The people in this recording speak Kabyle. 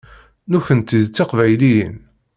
Nekkenti d Tiqbayliyin.